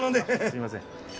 すみません。